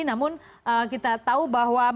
namun kita tahu bahwa